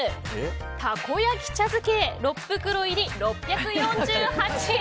たこ焼茶漬け６袋入り、６４８円。